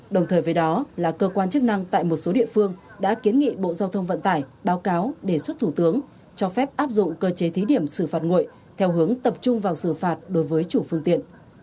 đồng thời với đó là cơ quan chức năng tại một số địa phương đã kiến nghị bộ giao thông vận tải báo cáo đề xuất thủ tướng cho phép áp dụng cơ chế thí điểm xử phạt nguội theo hướng tập trung vào xử phạt đối với chủ phương tiện